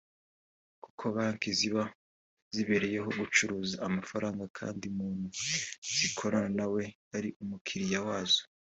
kuko banki ziba zibereyeho gucuruza amafaranga kandi umuntu zikorana na we ari umukiriya wazo